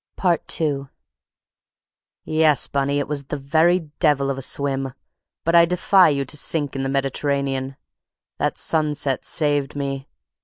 II "Yes, Bunny, it was the very devil of a swim; but I defy you to sink in the Mediterranean. That sunset saved me.